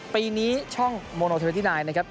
ปีนี้ช่องโมโนเทวิตที่๙นะครับ